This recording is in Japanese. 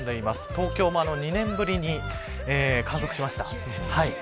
東京も２年ぶりに観測しました。